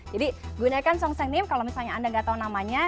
jadi gunakan sonsengnim kalau misalnya anda enggak tahu namanya